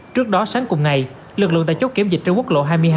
trước đó sáng cùng ngày lực lượng tài chốc kiểm dịch trên quốc lộ hai mươi hai